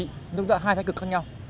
thì chúng ta hai thái cực khác nhau